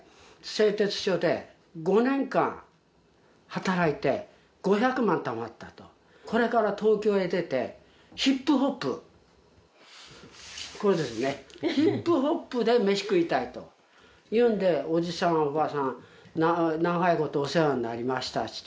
製鉄所で５年間働いて５００万たまったとこれから東京へ出てヒップホップこれですねヒップホップで飯食いたいというんでおじさんおばさん長いことお世話になりました